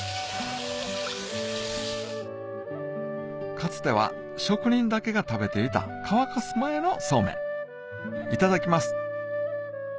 かつては職人だけが食べていた乾かす前のそうめんいただきます